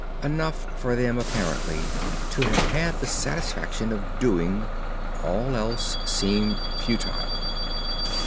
Enough for them apparently to have had the satisfaction of doing, all else seemed futile.